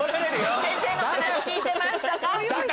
先生の話聞いてましたか？